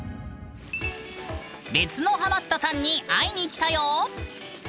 別のハマったさんに会いに来たよ！